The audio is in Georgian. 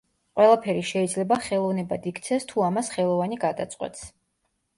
ყველაფერი შეიძლება ხელოვნებად იქცეს თუ ამას ხელოვანი გადაწყვეტს.